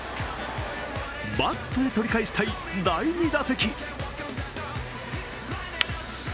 バットで取り返したい第２打席。